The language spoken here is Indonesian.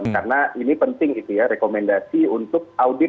karena ini penting itu ya rekomendasi untuk audienya